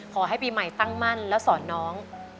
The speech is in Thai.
ขอให้ปีใหม่ตั้งมั่นและสอนน้อง